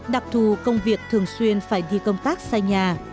đặc thù công việc thường xuyên phải đi công tác xay nhà